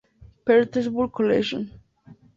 Petersburg Collection".